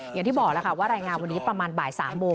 อย่างที่บอกแล้วค่ะว่ารายงานวันนี้ประมาณบ่าย๓โมง